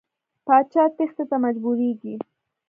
پاچا تېښتې ته مجبوریږي.